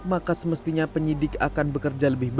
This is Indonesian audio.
maka semestinya penyidik akan bekerja lebih baik